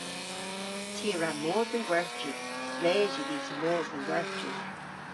Ty a wra mos dhe'n gwerthji. Res yw dhis mos dhe'n gwerthji.